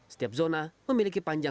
setiap zona memiliki perubahan